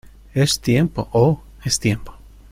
¡ Es tiempo! ¡ oh !¡ es tiempo !